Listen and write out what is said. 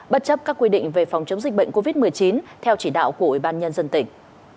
bất chấp các quy định về phòng chống dịch bệnh covid một mươi chín theo chỉ đạo của ủy ban nhân dân tỉnh